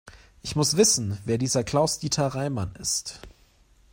Ich muss wissen, wer dieser Klaus-Dieter Reimann ist.